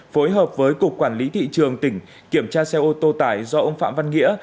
phối hợp với cục quản lý thị trường tỉnh kiểm tra xe ô tô tải do ông phạm văn nghĩa